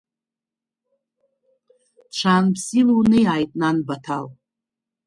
Ҽаанбзиала унеиааит, нан Баҭал.